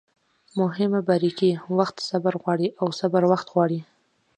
مهمه باریکي: وخت صبر غواړي او صبر وخت غواړي